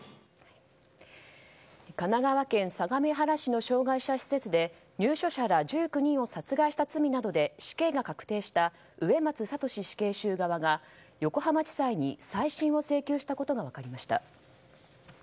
神奈川県相模原市の障害者施設で入所者ら１９人を殺害した罪などで死刑が確定した植松聖死刑囚側が横浜地裁に再審を請求したことが分かりました。